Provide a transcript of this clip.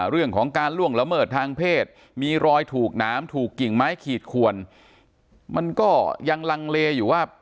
เรื่องของการล่วงละเมิดทางเพศมีรอยถูกน้ำถูกกิ่งไม้ขีดขวนมันก็ยังลังเลอยู่ว่า